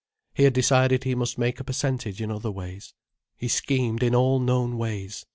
He had decided he must make a percentage in other ways. He schemed in all known ways.